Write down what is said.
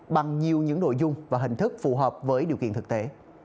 bằng nhiều những nội dung và hình thức phù hợp với điều kiện thực tế